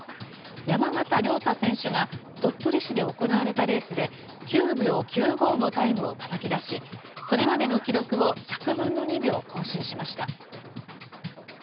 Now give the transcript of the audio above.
山縣亮太選手が、鳥取市で行われたレースで、９秒９５のタイムをたたき出し、それまでの記録を１００分の２秒更新しました。